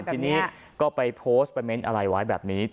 ทีนี้ก็ไปโพสต์ไปเน้นอะไรไว้แบบนี้